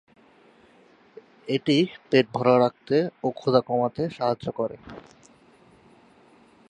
এটি পেট ভরা রাখতে ও ক্ষুধা কমাতে সাহায্য করে।